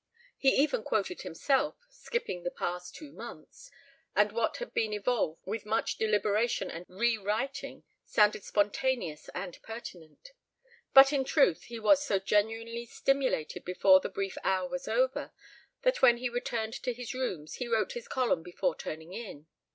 He even quoted himself skipping the past two months and what had been evolved with much deliberation and rewriting sounded spontaneous and pertinent. But in truth he was so genuinely stimulated before the brief hour was over that when he returned to his rooms he wrote his column before turning in.